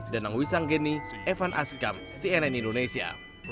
danang wisanggeni evan askam cnn indonesia